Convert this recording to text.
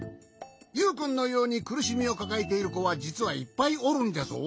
ユウくんのようにくるしみをかかえているこはじつはいっぱいおるんじゃぞ。